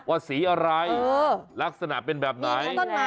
สีอะไรลักษณะเป็นแบบไหน